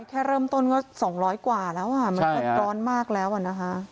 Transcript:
แค่เริ่มต้นก็๒๐๐กว่าแล้วอ่ะมันก็ร้อนมากแล้วอะนะคะ